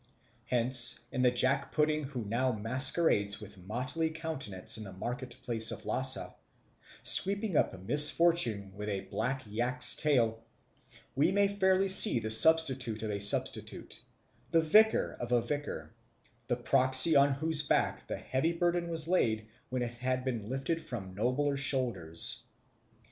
Hence in the jack pudding who now masquerades with motley countenance in the market place of Lhasa, sweeping up misfortune with a black yak's tail, we may fairly see the substitute of a substitute, the vicar of a vicar, the proxy on whose back the heavy burden was laid when it had been lifted from nobler shoulders.